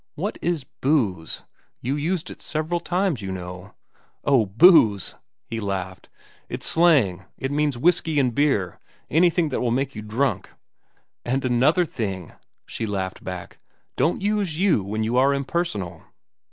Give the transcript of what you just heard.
"What is booze? You used it several times, you know." "Oh, booze," he laughed. "It's slang. It means whiskey an' beer—anything that will make you drunk." "And another thing," she laughed back. "Don't use 'you' when you are impersonal.